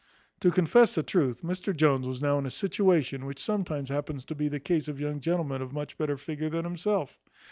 To confess the truth, Mr Jones was now in a situation, which sometimes happens to be the case of young gentlemen of much better figure than himself.